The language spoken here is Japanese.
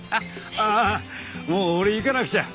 ああもう俺行かなくちゃ。